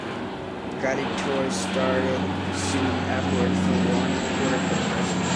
Guided tours started soon afterwards for one quarter per person.